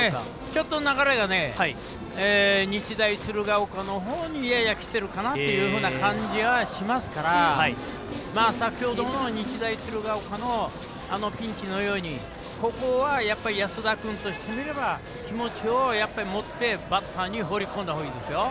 ちょっと流れが日大鶴ヶ丘の方にややきているかなという感じがしますから先ほどの日大鶴ヶ丘のピンチのようにここは安田君としてみれば気持ちを持ってバッターに放り込んだほうがいいですよ。